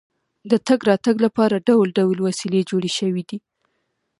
د تګ راتګ لپاره ډول ډول وسیلې جوړې شوې دي.